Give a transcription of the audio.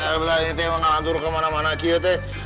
eh bentar ini memang nganjur kemana mana ki ya teh